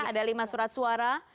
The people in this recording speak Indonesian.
ada lima surat suara